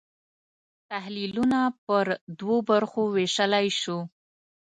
تحلیلونه پر دوو برخو وېشلای شو.